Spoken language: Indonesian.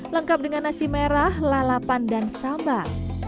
lengkap dengan nasi merah lalapan dan sambal